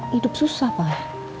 hidup susah pak